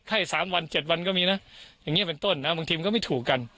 ให้๓วัน๗วันก็มีนะอย่างนี้เป็นต้นนะบางทีมันก็ไม่ถูกกัน